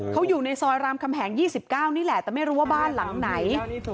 เขาอยู่ในซอยรามคำแหง๒๙นี่แหละแต่ไม่รู้ว่าบ้านหลังไหน